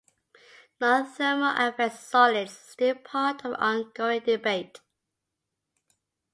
Non-thermal effects in solids are still part of an ongoing debate.